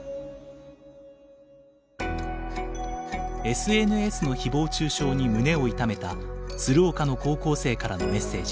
ＳＮＳのひぼう中傷に胸を痛めた鶴岡の高校生からのメッセージ。